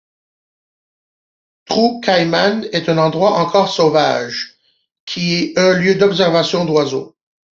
Trou Caïman est un endroit encore sauvage qui est un lieu d'observation d'oiseaux.